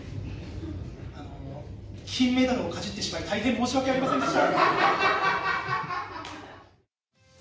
あのー金メダルをかじってしまい大変申し訳ありませんでした。